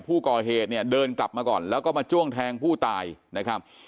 ผู้ก่อเหตุเนี่ยเดินกลับมาก่อนแล้วก็มาจ้วงแทงผู้ตายนะครับ